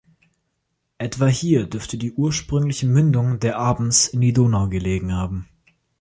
Etwa hier dürfte die ursprüngliche Mündung der Abens in die Donau gelegen haben.